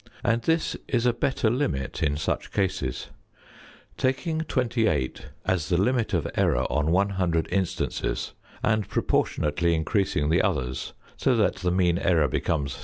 And this is a better limit in such cases. Taking 28 as the limit of error on 100 instances and proportionally increasing the others so that _the mean error becomes 7.